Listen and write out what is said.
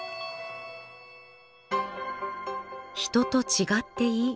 「人と違っていい」。